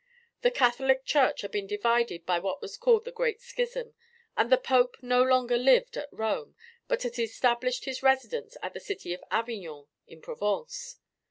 The Catholic Church had been divided by what was called the Great Schism, and the Pope no longer lived at Rome, but had established his residence at the city of Avignon in Provence.